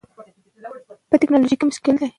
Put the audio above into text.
او پښتنوالي نه وتلي وي او نه غواړي، چې زده یې کړي